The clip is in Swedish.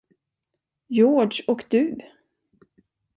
Georg och du?